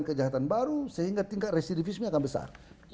mempelajari kejahatan baru sehingga tingkat residivismi akan besar